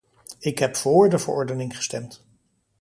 Ik heb vóór de verordening gestemd.